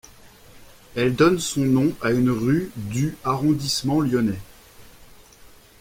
Elle donne son nom à une rue du arrondissement lyonnais.